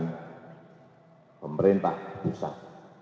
kebijakan pemerintah pusat